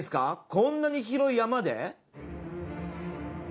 こんなに広い山で？